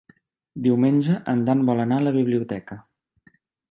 Diumenge en Dan vol anar a la biblioteca.